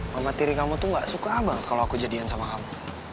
mama tiri kamu tuh gak suka banget kalau aku jadian sama kamu